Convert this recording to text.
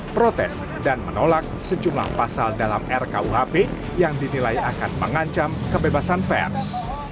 protes dan menolak sejumlah pasal dalam rkuhp yang dinilai akan mengancam kebebasan pers